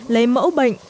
lấy mẫu bệnh